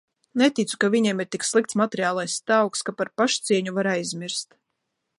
Neticu, ka viņiem ir tik slikts materiālais stāvoklis, ka par pašcieņu var aizmirst.